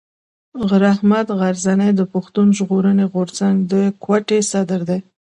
رحمت غرڅنی د پښتون ژغورني غورځنګ د کوټي صدر دی.